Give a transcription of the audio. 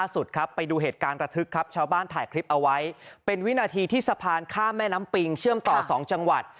สุดครับไปดูเหตุการณ์ระทึกครับชาวบ้านถ่ายคลิปเอาไว้เป็นวินาทีที่สะพานข้ามแม่น้ำปิงเชื่อมต่อ๒จังหวัด